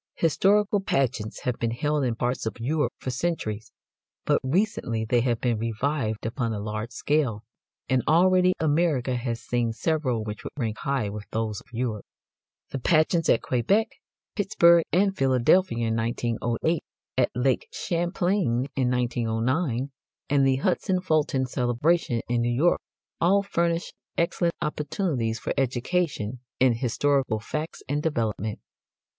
Historical pageants have been held in parts of Europe for centuries, but recently they have been revived upon a large scale, and already America has seen several which would rank high with those of Europe. The pageants at Quebec, Pittsburgh and Philadelphia in 1908, at Lake Champlain in 1909, and the Hudson Fulton celebration in New York all furnish excellent opportunities for education in historical facts and development.